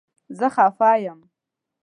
زه خفه یم